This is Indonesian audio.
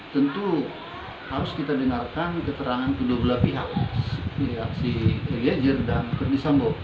tentu harus kita dengarkan keterangan kedua belah pihak si eliezer dan ferdisambo